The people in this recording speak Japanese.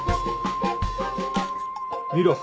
見ろ